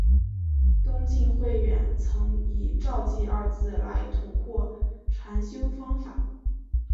东晋慧远曾以照寂二字来统括禅修方法。